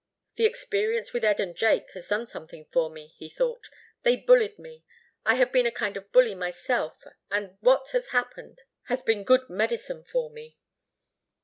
"The experience with Ed and Jake has done something for me," he thought. "They bullied me. I have been a kind of bully myself and what has happened has been good medicine for me."